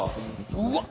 うわっ！